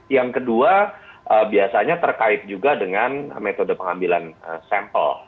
yang kedua biasanya terkait juga dengan metode pengambilan sampel